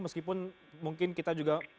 meskipun mungkin kita juga